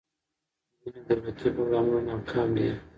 ځینې دولتي پروګرامونه ناکام دي.